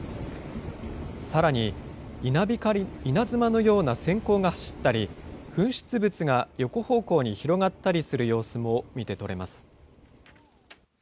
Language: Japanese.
さらに、稲妻のようなせん光が走ったり、噴出物が横方向に広がったりする様子も見て取れます。